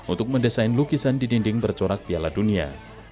untuk mendesain lukisan di dinding bercorak piala dunia